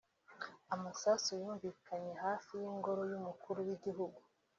Amasasu yumvikanye hafi y’ingoro y’umukuru w’igihugu